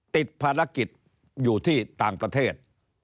ติดภารกิจอยู่ที่ต่างประเทศ